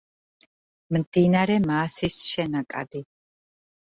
მდინარე მაასის შენაკადი.